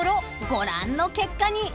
［ご覧の結果に］